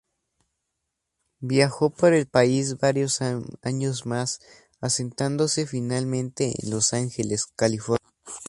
Viajó por el país varios años más, asentándose finalmente en Los Ángeles, California.